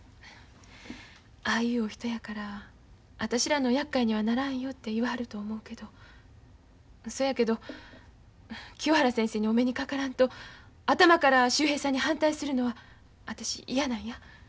ああいうお人やから私らのやっかいにはならんよて言わはると思うけどそやけど清原先生にお目にかからんと頭から秀平さんに反対するのは私嫌なんや。